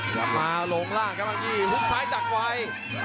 กลับมาโลงล่างครับบางทีฮุกซ้ายดักไว้